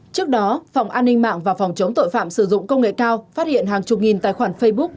trước đó phòng an ninh mạng và phòng chống tội phạm sử dụng công nghệ cao phát hiện hàng chục nghìn tài khoản facebook